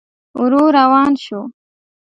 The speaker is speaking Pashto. ورو روان شو.